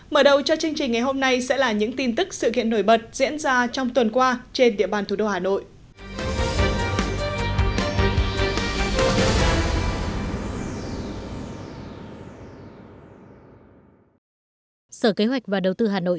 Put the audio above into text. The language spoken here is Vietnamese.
mở đầu cho chương trình ngày hôm nay sẽ là những tin tức sự kiện nổi bật diễn ra trong tuần qua trên địa bàn thủ đô hà nội